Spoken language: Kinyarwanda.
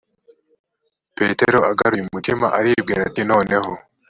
petero agaruye umutima aribwira ati noneho